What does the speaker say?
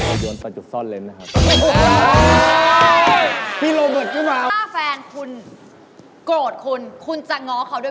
พี่โรเบิร์ตก็ผ้า